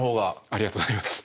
ありがとうございます。